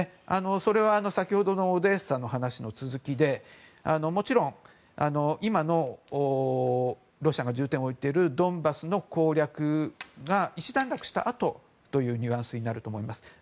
それは先ほどのオデーサの話の続きでもちろん、今のロシアが重点を置いているドンバスの攻略が一段落したあとというニュアンスになると思います。